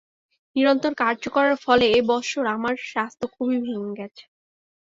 নিরন্তর কার্য করার ফলে এ বৎসর আমার স্বাস্থ্য খুবই ভেঙে গেছে।